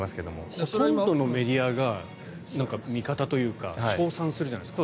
ほとんどのメディアが味方というか称賛するじゃないですか。